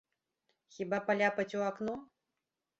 Хіба паляпаць у акно?